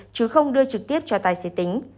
chứ không đưa trực tiếp cho tài xế tính